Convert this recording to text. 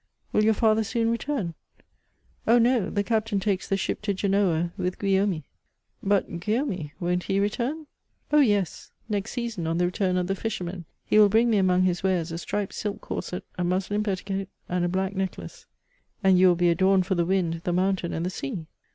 Will your father soon return ?" ''Oh! no: the captain takes the ship to Genoa with Guil lanmy." " But, Guillaumy, won't he return ?"'' Oh ! yes : next season on the return of the fishermen. He will bring me amoug his wares a striped silk corset, a muslin petti coat, and a black necklace." *' And you will be adorned for the wind, the mountain, and the sea.